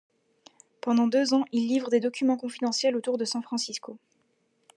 Pendant deux ans, il livre des documents confidentiels autour de San Francisco.